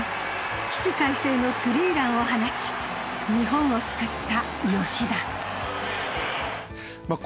起死回生のスリーランを放ち日本を救った吉田。